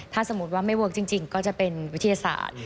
ถ้าสมมุติว่าไม่เวิร์คจริงก็จะเป็นวิทยาศาสตร์